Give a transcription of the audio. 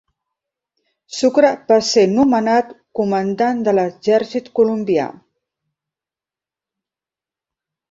Sucre va ser nomenat comandant de l'exèrcit colombià.